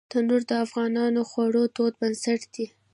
تنور د افغانو خوړو تود بنسټ دی